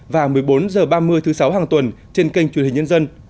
và một mươi bốn h ba mươi thứ sáu hàng tuần trên kênh truyền hình nhân dân